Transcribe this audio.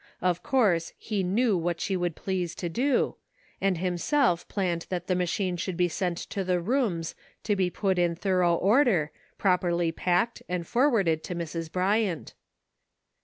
Of course he knew what she would please to do, and himself planned that the machine should be sent to the Rooms to be put in thorough order, properly packed and forwarded to Mrs. Bryant.